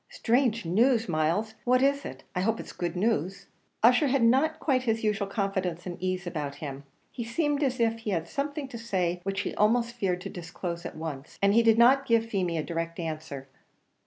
"Strange news, Myles! what is it? I hope it's good news." Ussher had not quite his usual confidence and ease about him; he seemed as if he had something to say which he almost feared to disclose at once, and he did not give Feemy a direct answer.